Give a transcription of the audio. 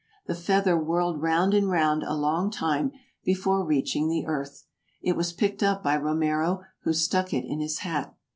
The feather whirled round and round a long time before reaching the earth; it was picked up by Romero, who stuck it in his hat.